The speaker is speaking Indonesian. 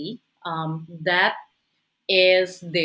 yang ada di sana